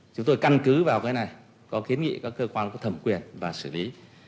chúng tôi căn cứ vào cái này có kiến nghị các cơ quan có thẩm quyền và xử lý